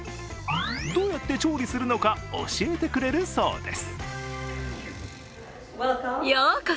どうやって調理するのか、教えてくれるそうです。